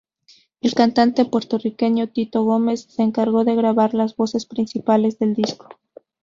El cantante puertorriqueño Tito Gómez se encargó de grabar las voces principales del disco.